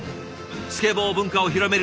「スケボー文化を広める」。